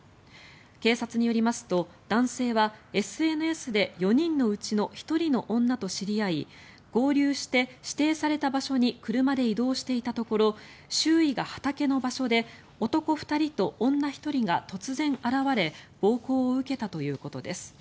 警察によりますと男性はＳＮＳで４人のうちの１人の女と知り合い合流して指定された場所に車で移動していたところ周囲が畑の場所で男２人と女１人が突然現れ暴行を受けたということです。